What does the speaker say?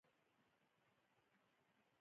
کله چې افغانستان کې ولسواکي وي نشه یي توکي بندیږي.